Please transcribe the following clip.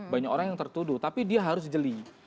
banyak orang yang tertuduh tapi dia harus jeli